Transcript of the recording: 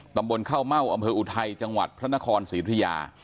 ตำบลข้าวเม่าอำเภออุทัยจังหวัดพระนครศรีธุยา